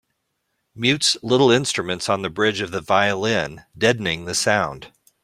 Mutes little instruments on the bridge of the violin, deadening the sound